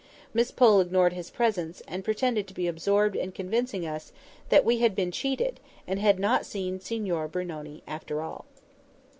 Miss Pole ignored his presence, and pretended to be absorbed in convincing us that we had been cheated, and had not seen Signor Brunoni after all.